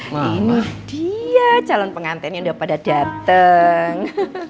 nah ini dia calon pengantin yang udah pada datang